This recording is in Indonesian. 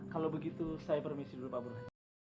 kalau begitu saya permisi dulu pak burhan